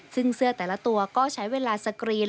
ซึ่งเสื้อแต่ละตัวก็ใช้เวลาสกรีน